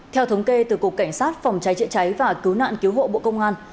theo thống kê từ cục cảnh sát phòng cháy chữa cháy và cứu nạn cứu hộ bộ công an